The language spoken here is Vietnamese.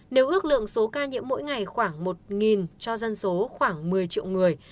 nếu ước lượng số ca nhiễm mỗi ngày khoảng một cho dân số khoảng một mươi triệu người